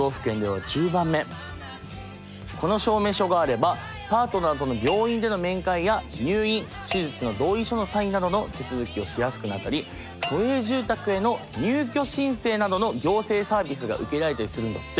この証明書があればパートナーとのなどの手続きをしやすくなったり都営住宅への入居申請などの行政サービスが受けられたりするんだって。